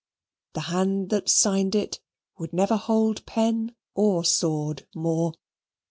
The hand that signed it would never hold pen or sword more.